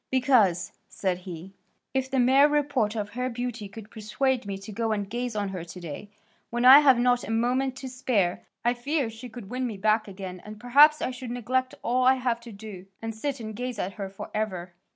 "Because," said he, "if the mere report of her beauty could persuade me to go and gaze on her to day, when I have not a moment to spare, I fear she would win me back again and perhaps I should neglect all I have to do, and sit and gaze at her for ever."